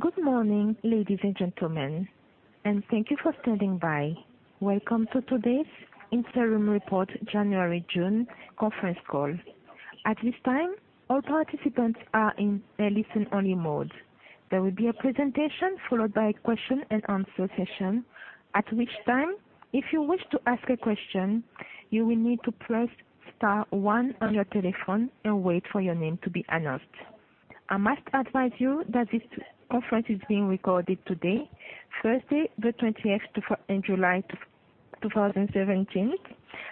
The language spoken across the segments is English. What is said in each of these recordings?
Good morning, ladies and gentlemen, and thank you for standing by. Welcome to today's interim report, January-June conference call. At this time, all participants are in a listen-only mode. There will be a presentation followed by a question and answer session, at which time, if you wish to ask a question, you will need to press star one on your telephone and wait for your name to be announced. I must advise you that this conference is being recorded today, Thursday, the twentieth of July 2017.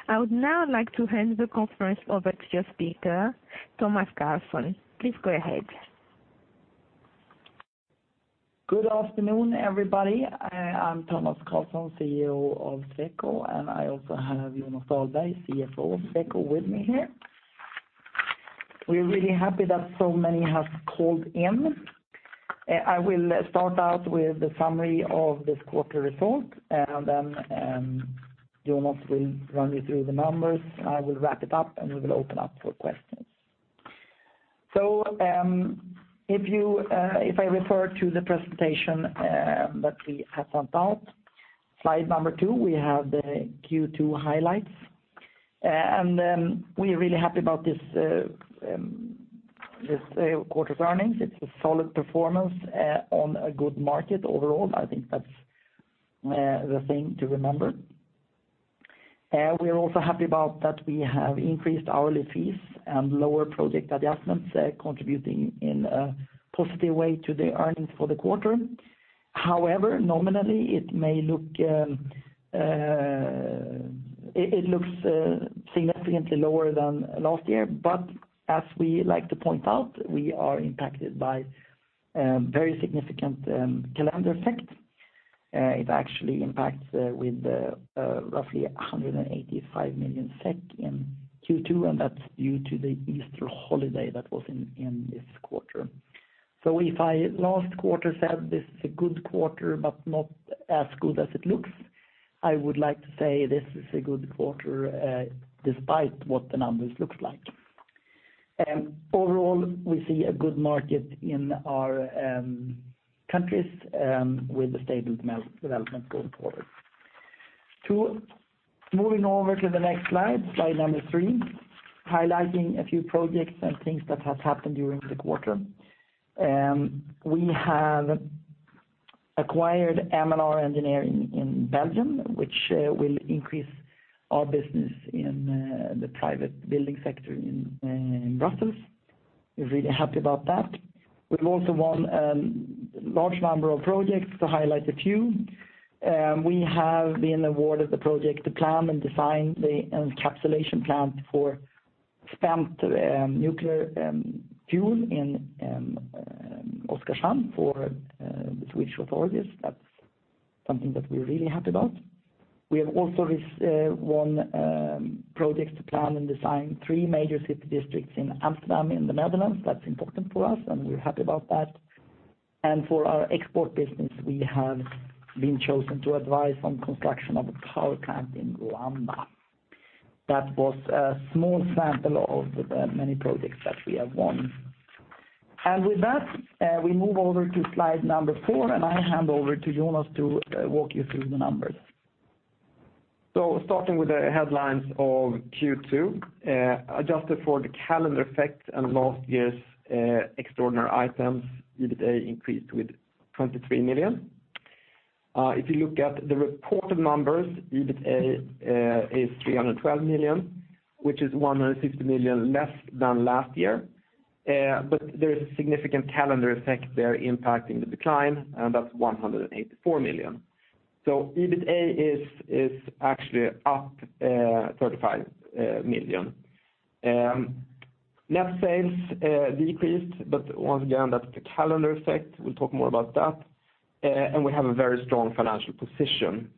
I would now like to hand the conference over to your speaker, Tomas Carlsson. Please go ahead. Good afternoon, everybody. I'm Tomas Carlsson, CEO of Sweco, and I also have Jonas Dahlberg, CFO of Sweco, with me here. We're really happy that so many have called in. I will start out with the summary of this quarter results, and then, Jonas will run you through the numbers. I will wrap it up, and we will open up for questions. So, if you, if I refer to the presentation, that we have sent out, slide number two, we have the Q2 highlights. We are really happy about this, this, quarter's earnings. It's a solid performance, on a good market overall. I think that's, the thing to remember. We are also happy about that we have increased hourly fees and lower project adjustments, contributing in a positive way to the earnings for the quarter. However, nominally, it may look... It looks significantly lower than last year, but as we like to point out, we are impacted by very significant calendar effect. It actually impacts with roughly 185 million SEK in Q2, and that's due to the Easter holiday that was in this quarter. So if I last quarter said this is a good quarter, but not as good as it looks, I would like to say this is a good quarter despite what the numbers look like. Overall, we see a good market in our countries with a stable market development going forward. To, moving over to the next slide, slide number three, highlighting a few projects and things that have happened during the quarter. We have acquired M&R Engineering in Belgium, which will increase our business in the private building sector in Brussels. We're really happy about that. We've also won large number of projects, to highlight a few, we have been awarded the project to plan and design the encapsulation plant for spent nuclear fuel in Oskarshamn for the Swedish authorities. That's something that we're really happy about. We have also won projects to plan and design three major city districts in Amsterdam, in the Netherlands. That's important for us, and we're happy about that. And for our export business, we have been chosen to advise on construction of a power plant in Rwanda. That was a small sample of the many projects that we have won. With that, we move over to slide number four, and I hand over to Jonas to walk you through the numbers. So starting with the headlines of Q2, adjusted for the calendar effect and last year's extraordinary items, EBITA increased with 23 million. If you look at the reported numbers, EBITA is 312 million, which is 160 million less than last year. But there's a significant calendar effect there impacting the decline, and that's 184 million. So EBITA is actually up 35 million. Net sales decreased, but once again, that's the calendar effect. We'll talk more about that. We have a very strong financial position.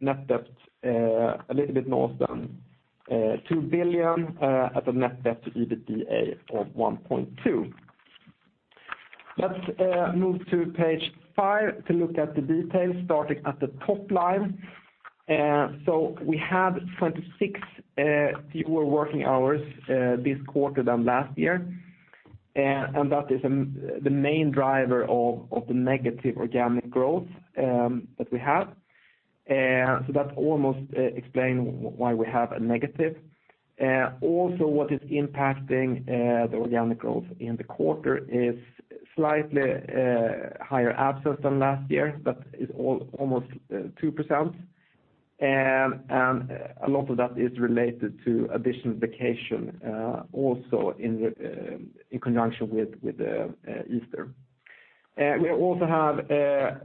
Net debt a little bit north of 2 billion at a net debt to EBITA of 1.2. Let's move to page five to look at the details, starting at the top line. So we had 26 fewer working hours this quarter than last year. And that is the main driver of the negative organic growth that we have. So that almost explain why we have a negative. Also, what is impacting the organic growth in the quarter is slightly higher absence than last year, but is almost 2%. And a lot of that is related to additional vacation also in conjunction with Easter. We also have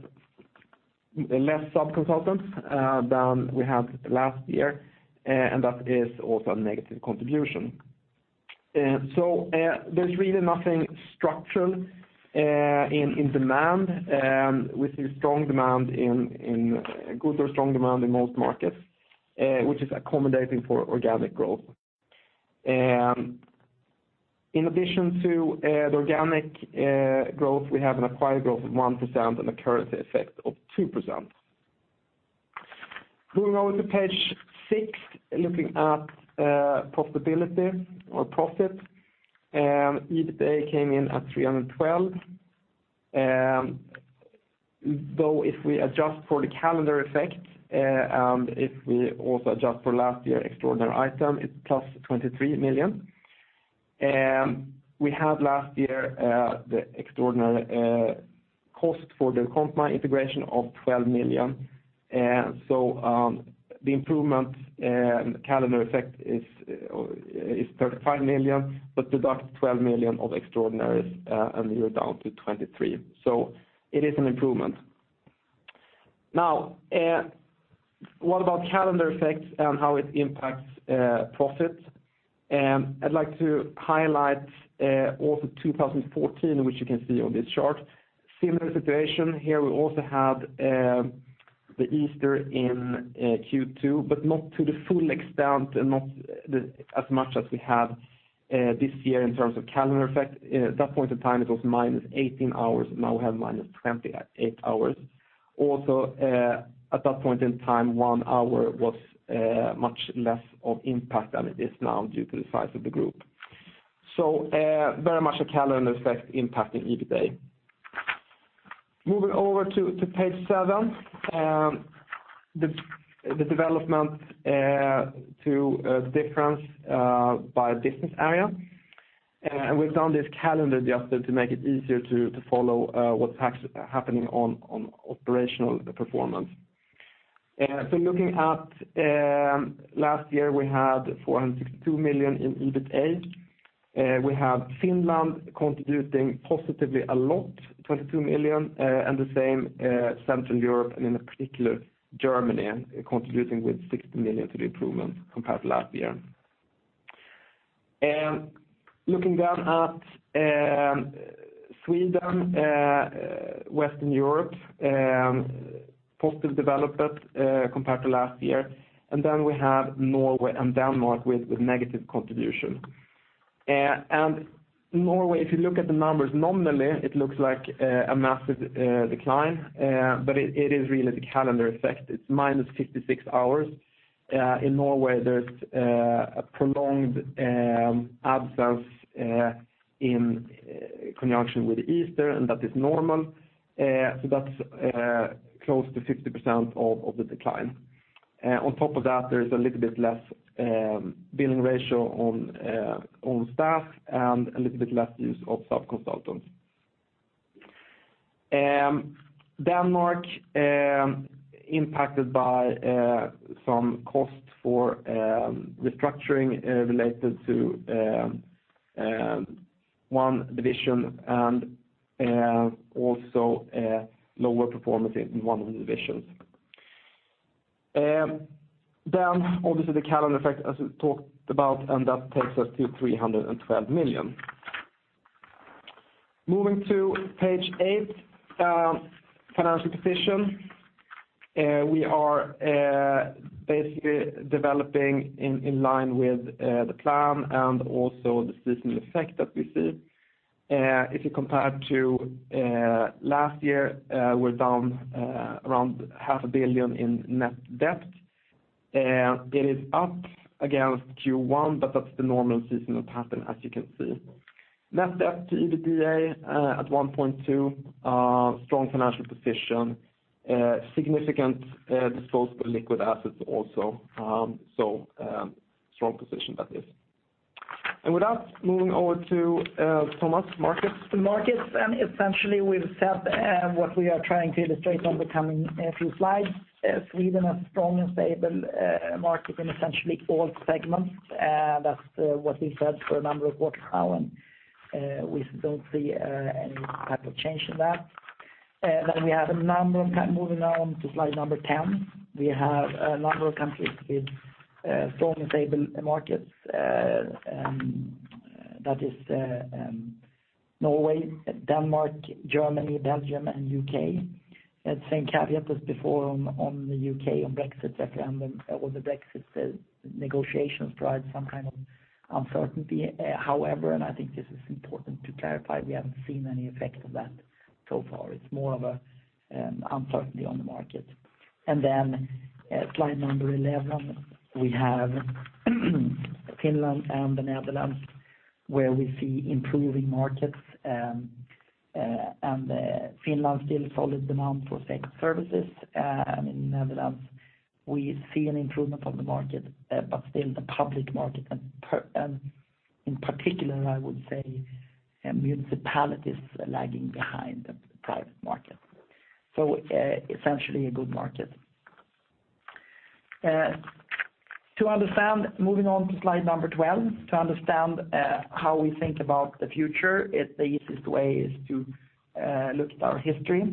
less sub-consultants than we had last year, and that is also a negative contribution. So there's really nothing structural in demand. We see strong demand in good or strong demand in most markets, which is accommodating for organic growth. In addition to the organic growth, we have an acquired growth of 1% and a currency effect of 2%. Moving on to page six, looking at profitability or profit. EBITA came in at 312 million. Though if we adjust for the calendar effect and if we also adjust for last year's extraordinary item, it's +23 million. We had last year the extraordinary cost for the Grontmij integration of 12 million. So, the improvement and the calendar effect is 35 million, but deduct 12 million of extraordinaries and you're down to 23. So it is an improvement. Now, what about calendar effects and how it impacts profits? I'd like to highlight also 2014, which you can see on this chart. Similar situation here, we also have the Easter in Q2, but not to the full extent and not as much as we have this year in terms of calendar effect. At that point in time, it was -18 hours, now we have -28 hours. Also, at that point in time, one hour was much less of impact than it is now due to the size of the group. So, very much a calendar effect impacting EBITA. Moving over to page seven, the development, the difference by business area. And we've done this calendar just to make it easier to follow what's happening on operational performance. So looking at last year, we had 462 million in EBITA. We have Finland contributing positively a lot, 22 million, and the same, Central Europe, and in particular, Germany, contributing with 60 million to the improvement compared to last year. Looking down at Sweden, Western Europe, positive development, compared to last year. And then we have Norway and Denmark with negative contribution. And Norway, if you look at the numbers, nominally, it looks like a massive decline, but it is really the calendar effect. It's -56 hours. In Norway, there's a prolonged absence in conjunction with Easter, and that is normal. So that's close to 50% of the decline. On top of that, there's a little bit less billing ratio on staff and a little bit less use of sub-consultants. Denmark, impacted by some cost for restructuring related to one division and also lower performance in one of the divisions. Then obviously, the calendar effect, as we talked about, and that takes us to 312 million. Moving to page eight, financial position. We are basically developing in line with the plan and also the seasonal effect that we see. If you compare to last year, we're down around 500 million in net debt. It is up against Q1, but that's the normal seasonal pattern, as you can see. Net debt to EBITA at 1.2, strong financial position, significant disposable liquid assets also. So, strong position, that is. And with that, moving over to Tomas, markets. Markets, and essentially, we've said, what we are trying to illustrate on the coming, few slides. Sweden, a strong and stable, market in essentially all segments. That's, what we said for a number of quarters now, and, we don't see, any type of change in that. Then we have a number of-- moving on to slide number 10, we have a number of countries with, strong and stable markets, that is, Norway, Denmark, Germany, Belgium, and U.K. The same caveat as before on, on the U.K., on Brexit referendum, or the Brexit, negotiations drive some kind of uncertainty. However, and I think this is important to clarify, we haven't seen any effect of that so far. It's more of a, uncertainty on the market. Slide number 11, we have Finland and the Netherlands, where we see improving markets, and Finland still has solid demand for tech services, and in the Netherlands, we see an improvement on the market, but still the public market, and in particular, I would say, municipalities lagging behind the private market. So, essentially a good market. To understand, moving on to slide number 12, to understand how we think about the future, the easiest way is to look at our history.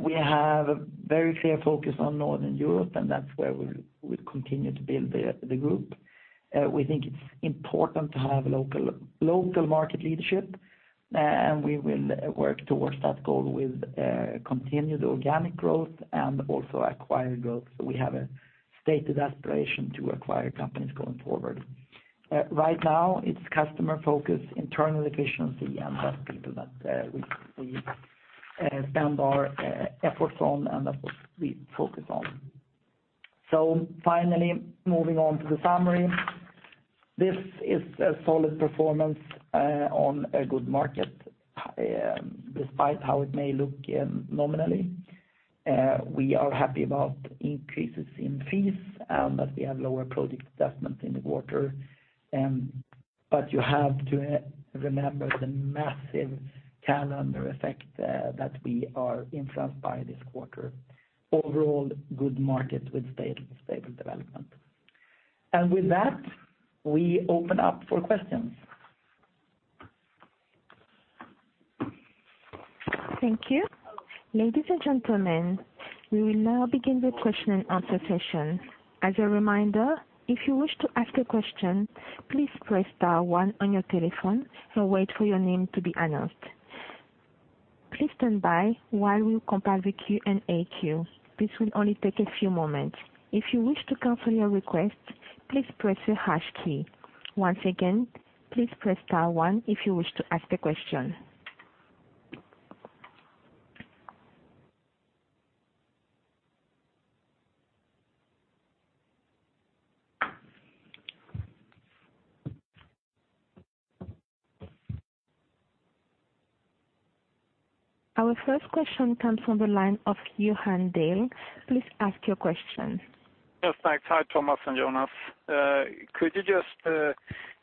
We have a very clear focus on Northern Europe, and that's where we'll, we'll continue to build the, the group. We think it's important to have local, local market leadership, and we will work towards that goal with continued organic growth and also acquire growth. So we have a stated aspiration to acquire companies going forward. Right now it's customer focus, internal efficiency, and less people that we spend our efforts on, and that's what we focus on. So finally, moving on to the summary. This is a solid performance on a good market, despite how it may look, nominally. We are happy about increases in fees and that we have lower project adjustments in the quarter. But you have to remember the massive calendar effect that we are influenced by this quarter. Overall, good market with stable, stable development. And with that, we open up for questions. Thank you. Ladies and gentlemen, we will now begin the question and answer session. As a reminder, if you wish to ask a question, please press star one on your telephone and wait for your name to be announced. Please stand by while we compile the Q&A queue. This will only take a few moments. If you wish to cancel your request, please press the hash key. Once again, please press star one if you wish to ask a question. Our first question comes from the line of Johan Dahl. Please ask your question. Yes, thanks. Hi, Tomas and Jonas. Could you just,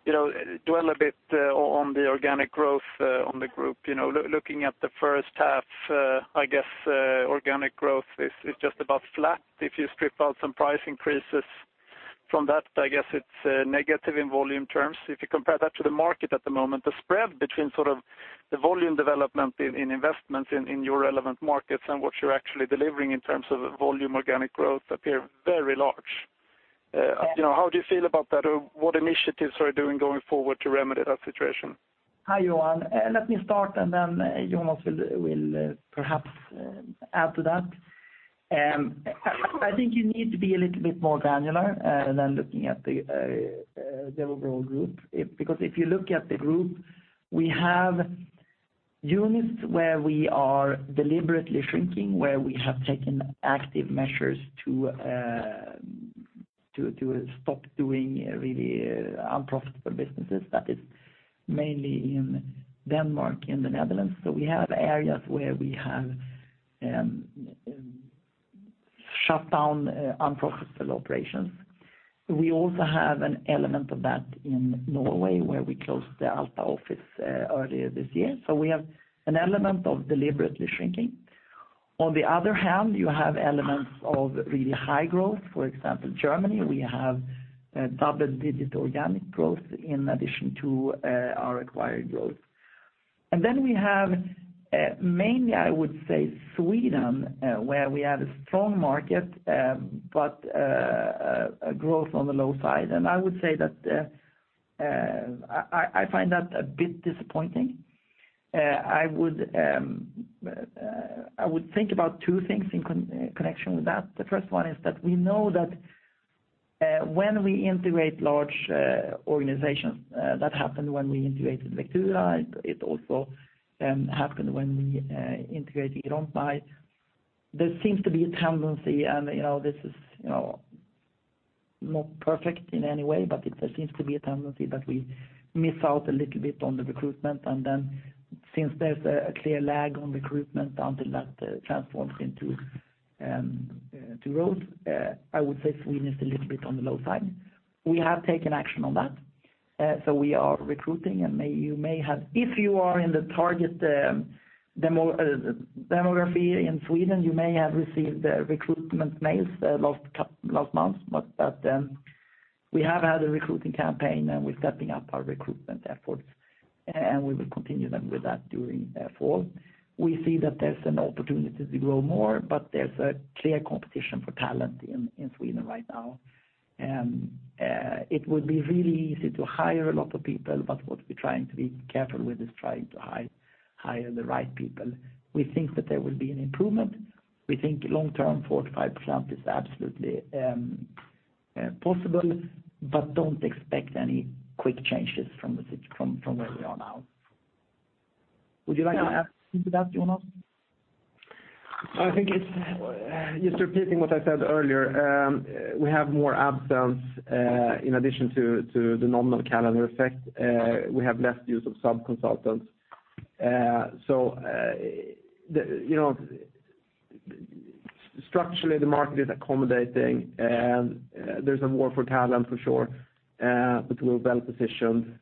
you know, dwell a bit on the organic growth on the group? You know, looking at the first half, I guess, organic growth is just about flat. If you strip out some price increases from that, I guess it's negative in volume terms. If you compare that to the market at the moment, the spread between sort of the volume development in investments in your relevant markets and what you're actually delivering in terms of volume organic growth appears very large. You know, how do you feel about that, or what initiatives are you doing going forward to remedy that situation? Hi, Johan. Let me start, and then Jonas will perhaps add to that. I think you need to be a little bit more granular than looking at the overall group. Because if you look at the group, we have units where we are deliberately shrinking, where we have taken active measures to stop doing really unprofitable businesses. That is mainly in Denmark and the Netherlands. So we have areas where we have shut down unprofitable operations. We also have an element of that in Norway, where we closed the Alta office earlier this year. So we have an element of deliberately shrinking. On the other hand, you have elements of really high growth. For example, Germany, we have double-digit organic growth in addition to our acquired growth. And then we have mainly, I would say, Sweden, where we have a strong market, but a growth on the low side. I would say that I find that a bit disappointing. I would think about two things in connection with that. The first one is that we know that when we integrate large organizations, that happened when we integrated Vectura. It also happened when we integrated Grontmij. There seems to be a tendency, and you know, this is you know not perfect in any way, but there seems to be a tendency that we miss out a little bit on the recruitment. And then, since there's a clear lag on recruitment until that transforms into growth, I would say Sweden is a little bit on the low side. We have taken action on that, so we are recruiting, and maybe you may have—if you are in the target demography in Sweden, you may have received the recruitment mails last month. But we have had a recruiting campaign, and we're stepping up our recruitment efforts, and we will continue them with that during fall. We see that there's an opportunity to grow more, but there's a clear competition for talent in Sweden right now. And it would be really easy to hire a lot of people, but what we're trying to be careful with is trying to hire the right people. We think that there will be an improvement. We think long term, 4%-5% is absolutely possible, but don't expect any quick changes from where we are now. Would you like to add to that, Jonas? I think it's just repeating what I said earlier, we have more absence in addition to the nominal calendar effect, we have less use of sub-consultants. So, you know, structurally, the market is accommodating, and there's a war for talent for sure, but we're well positioned,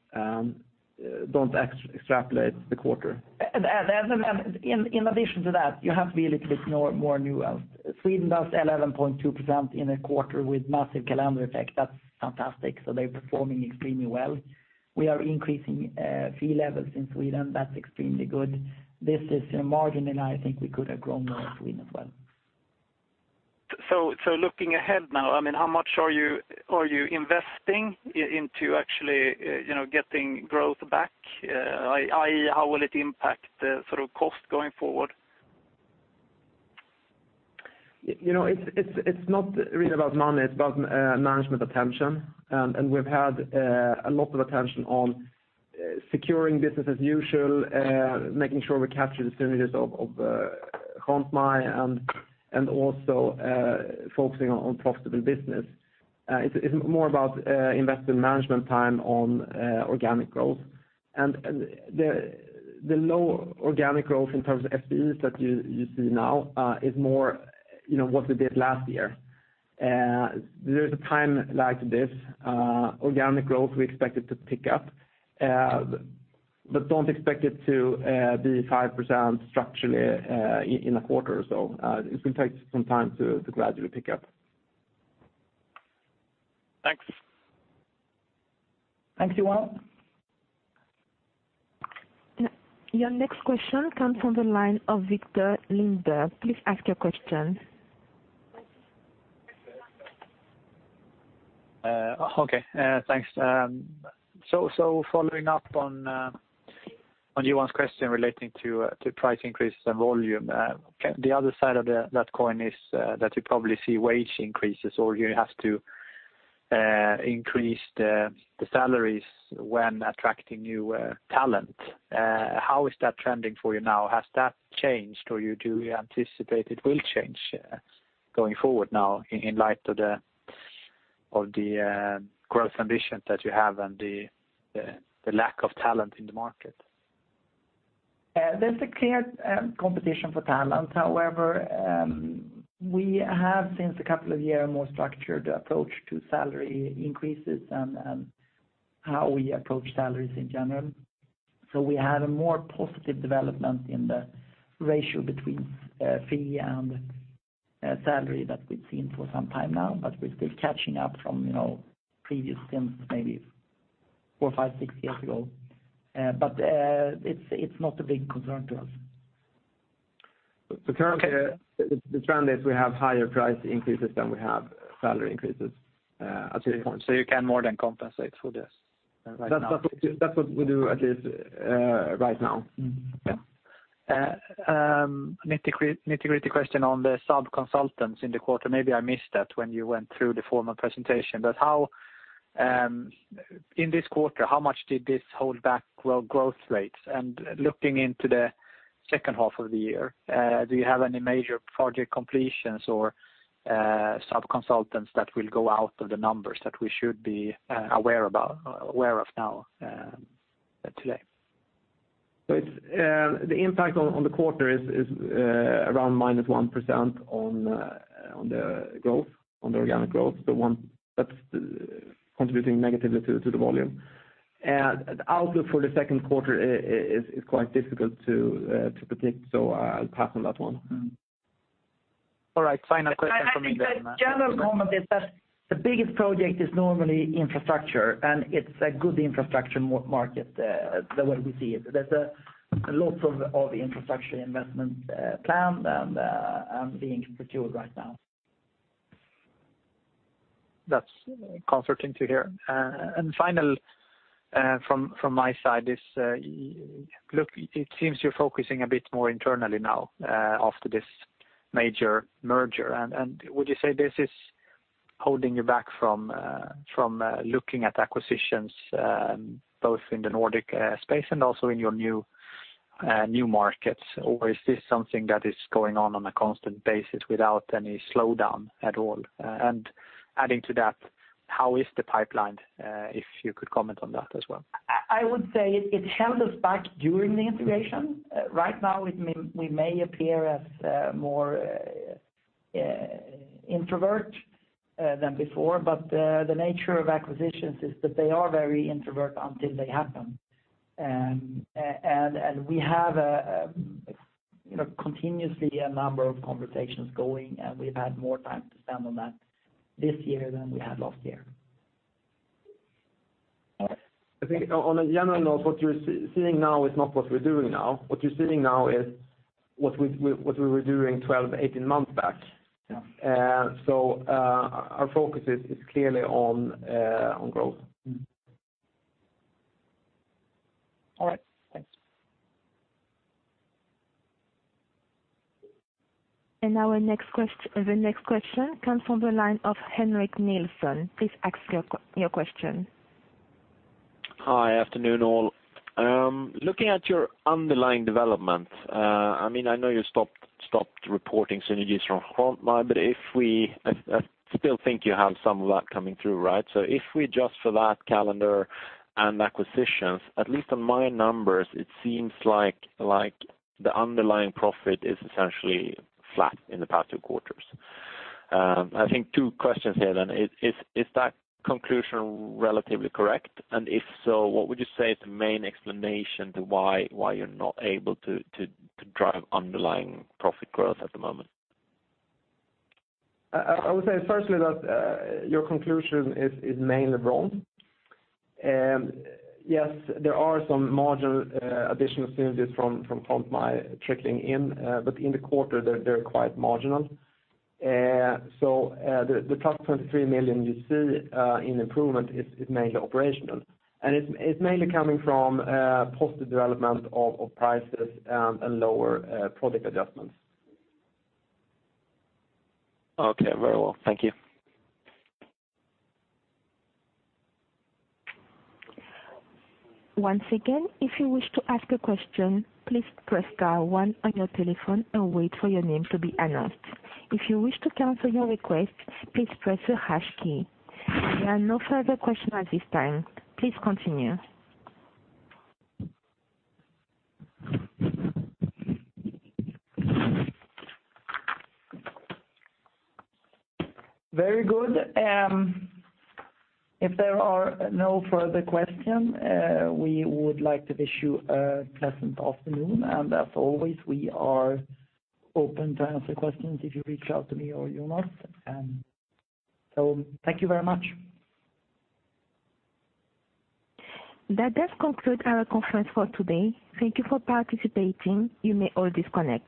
don't extrapolate the quarter. In addition to that, you have to be a little bit more nuanced. Sweden does 11.2% in a quarter with massive calendar effect. That's fantastic, so they're performing extremely well. We are increasing fee levels in Sweden. That's extremely good. This is a margin, and I think we could have grown more in Sweden as well. So looking ahead now, I mean, how much are you investing into actually, you know, getting growth back? i.e., how will it impact sort of cost going forward?... You know, it's not really about money, it's about management attention. And we've had a lot of attention on securing business as usual, making sure we capture the synergies of Grontmij, and also focusing on profitable business. It's more about investing management time on organic growth. And the low organic growth in terms of FTEs that you see now is more, you know, what we did last year. There's a time like this, organic growth, we expect it to pick up, but don't expect it to be 5% structurally, in a quarter or so. It will take some time to gradually pick up. Thanks. Thanks, Johan. Your next question comes from the line of Victor Lindberg. Please ask your question. Okay, thanks. So, following up on Johan's question relating to price increases and volume, the other side of that coin is that you probably see wage increases, or you have to increase the salaries when attracting new talent. How is that trending for you now? Has that changed, or do you anticipate it will change going forward now in light of the growth ambitions that you have and the lack of talent in the market? There's a clear competition for talent. However, we have, since a couple of years, a more structured approach to salary increases and how we approach salaries in general. So we have a more positive development in the ratio between fee and salary that we've seen for some time now, but we're still catching up from, you know, previous trends, maybe four, five, six years ago. But it's not a big concern to us. So currently, the trend is we have higher price increases than we have salary increases at this point. So you can more than compensate for this right now? That's, that's what we do at least, right now. Mm-hmm. Need to clear the question on the sub-consultants in the quarter. Maybe I missed that when you went through the formal presentation. But how, in this quarter, how much did this hold back growth rates? And looking into the second half of the year, do you have any major project completions or sub-consultants that will go out of the numbers that we should be aware about, aware of now, today? So it's the impact on the quarter is around -1% on the growth, on the organic growth, the one that's contributing negatively to the volume. And the outlook for the second quarter is quite difficult to predict, so I'll pass on that one. All right. Final question from me then- I think the general comment is that the biggest project is normally infrastructure, and it's a good infrastructure market, the way we see it. There's lots of infrastructure investment planned and being procured right now. That's comforting to hear. Finally from my side is, look, it seems you're focusing a bit more internally now after this major merger. Would you say this is holding you back from looking at acquisitions both in the Nordic space and also in your new markets? Or is this something that is going on a constant basis without any slowdown at all? Adding to that, how is the pipeline? If you could comment on that as well. I would say it held us back during the integration. Right now, we may appear as more introvert than before, but the nature of acquisitions is that they are very introvert until they happen. And we have a, you know, continuously a number of conversations going, and we've had more time to spend on that this year than we had last year. I think on a general note, what you're seeing now is not what we're doing now. What you're seeing now is what we were doing 12-18 months back. Yeah. So, our focus is clearly on growth. All right. Thanks. And now our next question comes from the line of Henrik Nilsson. Please ask your question. Hi, afternoon, all. Looking at your underlying development, I mean, I know you stopped reporting synergies from Grontmij, but if we... I still think you have some of that coming through, right? So if we adjust for that calendar and acquisitions, at least on my numbers, it seems like the underlying profit is essentially flat in the past two quarters. I think two questions here then. Is that conclusion relatively correct? And if so, what would you say is the main explanation for why you're not able to drive underlying profit growth at the moment? I would say firstly, that your conclusion is mainly wrong. Yes, there are some marginal additional synergies from Grontmij trickling in, but in the quarter, they're quite marginal. So, the +23 million you see in improvement is mainly operational, and it's mainly coming from positive development of prices, and lower product adjustments. Okay. Very well. Thank you. Once again, if you wish to ask a question, please press star one on your telephone and wait for your name to be announced. If you wish to cancel your request, please press the hash key. There are no further questions at this time. Please continue. Very good. If there are no further question, we would like to wish you a pleasant afternoon, and as always, we are open to answer questions if you reach out to me or Johan. So thank you very much. That does conclude our conference for today. Thank you for participating. You may all disconnect.